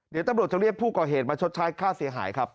เดี๋ยวตำรวจจะเรียกผู้ก่อเหตุมาชดใช้ค่าเสียหายครับ